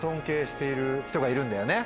がいるんだよね？